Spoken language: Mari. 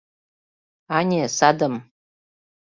— Ане, садым.